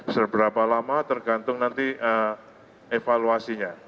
seberapa lama tergantung nanti evaluasinya